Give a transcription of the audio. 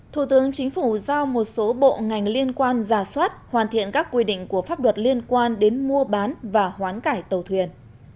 thủ tướng chính phủ giao một số bộ ngành liên quan giả soát hoàn thiện các quy định của pháp luật liên quan đến mua bán và hoán cải tàu thuyền